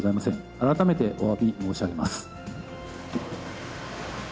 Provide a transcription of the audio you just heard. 改めておわび申し上げます。